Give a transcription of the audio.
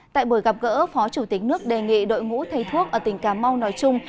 tại buổi gặp gỡ phó chủ tịch nước đề nghị đội ngũ thầy thuốc ở tỉnh cà mau nói chung